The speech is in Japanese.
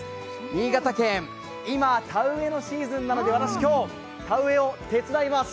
新潟県、今田植えのシーズンなので私、今日、田植えを手伝います！